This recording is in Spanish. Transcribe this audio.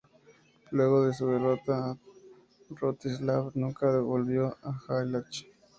Luego de su derrota, Rostislav nunca volvió a Hálych.